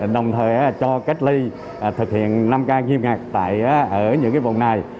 đồng thời cho cách ly thực hiện năm ca nghiêm ngạc tại ở những cái vùng này